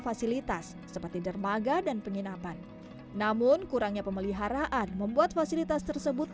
fasilitas seperti dermaga dan penginapan namun kurangnya pemeliharaan membuat fasilitas tersebut